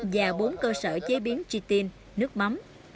và bốn cơ sở chế biến chitin nước mắm